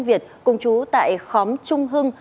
thành việt cùng chú tại khóm trung hưng